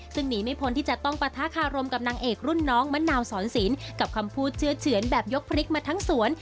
ซึ่งหนีไม่พ้นที่จะต้องปะทะคารมกับนางเอกรุ่นน้องมะนาวสอนสินกับคำพูดเชื่อเฉือนแบบยกพริกมาทั้งสวน